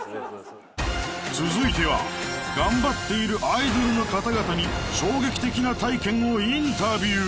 続いては頑張っているアイドルの方々に衝撃的な体験をインタビュー